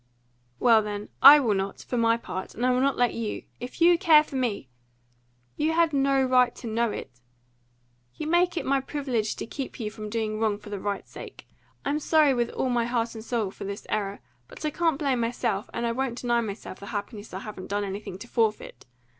"Well, then, I WILL not, for my part, and I will not let you. If you care for me " "You had no right to know it." "You make it my privilege to keep you from doing wrong for the right's sake. I'm sorry, with all my heart and soul, for this error; but I can't blame myself, and I won't deny myself the happiness I haven't done anything to forfeit.